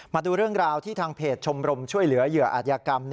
มาดูเรื่องราวที่ทางเพจชมรมช่วยเหลือเหยื่ออาจยากรรม